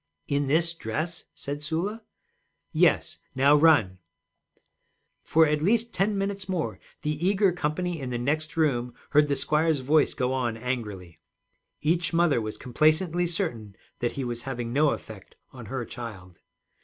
'In this dress?' said Sula. 'Yes, now run.' For at least ten minutes more the eager company in the next room heard the squire's voice go on angrily. Each mother was complacently certain that he was having no effect on her child.